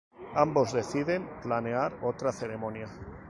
Ambos deciden planear otra ceremonia.